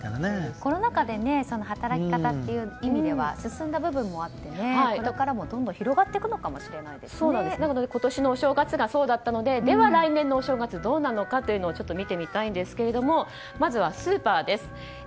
コロナ禍で働き方という意味では進んだ部分もあってこれからもどんどん広がっていくのかも今年のお正月がそうだったのででは来年のお正月どうなのかちょっと見てみたいんですがまず、スーパーです。